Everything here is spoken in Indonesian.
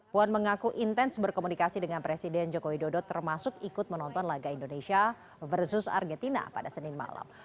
puan mengaku intens berkomunikasi dengan presiden joko widodo termasuk ikut menonton laga indonesia versus argentina pada senin malam